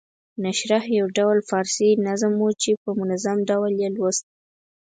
نشرح یو ډول فارسي نظم وو چې په منظوم ډول یې لوست.